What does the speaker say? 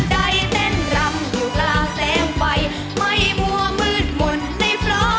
จิ๋วเจ้าพระยา